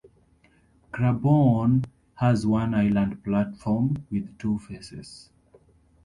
Cranbourne has one island platform with two faces.